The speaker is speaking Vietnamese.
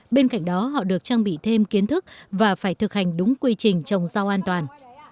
bên cạnh đó họ được trang bị thêm kiến thức và phải thực hành đúng quy trình trồng rau an toàn